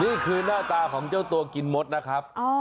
นี่คือหน้าตาของเจ้าตัวกินมดนะครับ